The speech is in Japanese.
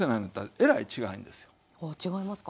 あ違いますか。